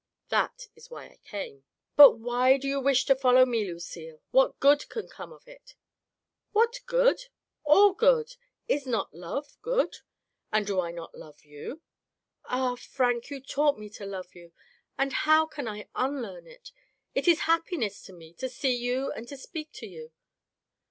That is why I came." " But why do you wish to follow me, Lucille ? What good can come of it ?"" What good ? All good. Is not love good ? And do I not love you ? Ah, Frank, you taught me to love you, and how can I unlearn it ? It is happiness to me to see you and to speak to you."